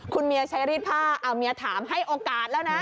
คุณเมียใช้รีดผ้าเอาเมียถามให้โอกาสแล้วนะ